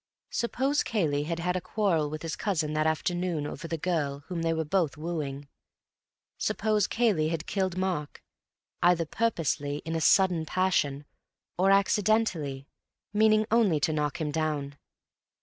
Suppose Cayley had had a quarrel with his cousin that afternoon over the girl whom they were both wooing. Suppose Cayley had killed Mark, either purposely, in sudden passion, or accidentally, meaning only to knock him down.